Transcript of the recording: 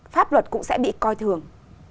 pháp luật cũng sẽ bị coi thường